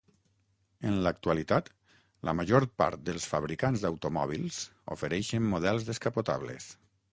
En l'actualitat, la major part dels fabricants d'automòbils ofereixen models descapotables.